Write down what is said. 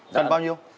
dần bao nhiêu